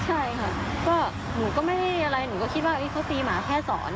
ใช่ค่ะก็หนูก็ไม่ได้อะไรหนูก็คิดว่าเขาตีหมาแค่สอน